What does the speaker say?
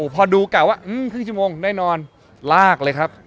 พอดูกะว่าครึ่งชั่วโมงแน่นอนลากเลยครับ